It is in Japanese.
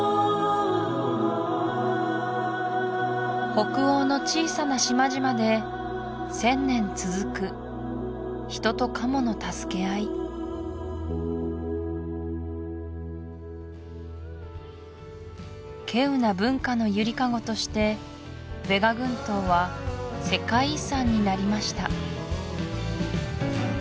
北欧の小さな島々で１０００年続く人とカモの助け合い希有な文化のゆりかごとしてヴェガ群島は世界遺産になりました